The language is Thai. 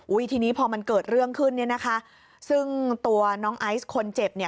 ทีนี้พอมันเกิดเรื่องขึ้นเนี่ยนะคะซึ่งตัวน้องไอซ์คนเจ็บเนี่ย